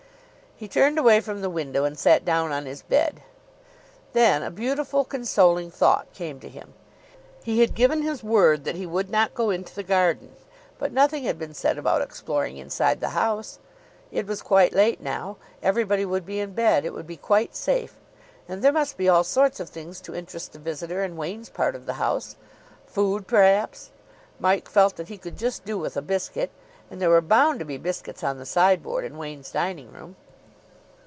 He turned away from the window and sat down on his bed. Then a beautiful, consoling thought came to him. He had given his word that he would not go into the garden, but nothing had been said about exploring inside the house. It was quite late now. Everybody would be in bed. It would be quite safe. And there must be all sorts of things to interest the visitor in Wain's part of the house. Food, perhaps. Mike felt that he could just do with a biscuit. And there were bound to be biscuits on the sideboard in Wain's dining room.